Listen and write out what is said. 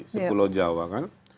sepuluh jawa kan